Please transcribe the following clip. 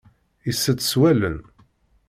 Itett s wallen.